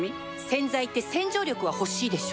洗剤って洗浄力は欲しいでしょ